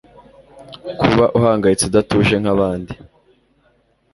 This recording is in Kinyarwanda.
kuba uhangayitse udatuje nkabandi